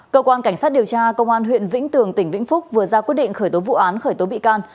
cơ quan cảnh sát điều tra công an huyện vĩnh tường tỉnh vĩnh phúc vừa ra quyết định khởi tố vụ án khởi tố bị can